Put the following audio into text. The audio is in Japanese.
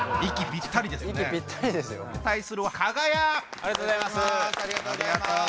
ありがとうございます。